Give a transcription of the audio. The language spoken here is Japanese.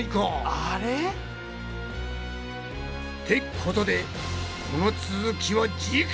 アレ？ってことでこの続きは次回！